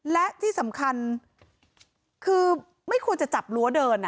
และที่สำคัญคือไม่ควรจะจับรั้วเดิน